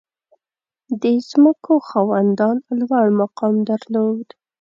• د ځمکو خاوندان لوړ مقام درلود.